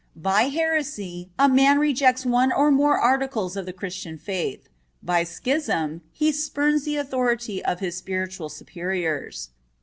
By heresy, a man rejects one or more articles of the Christian faith. By schism, he spurns the authority of his spiritual superiors.